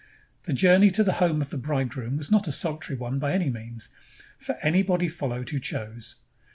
The journey to the home of the bridegroom was not a soHtary one by any means, for anybody followed who chose.